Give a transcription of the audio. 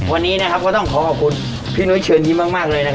วันนี้นะครับก็ต้องขอขอบคุณพี่นุ้ยเชิญยิ้มมากเลยนะครับ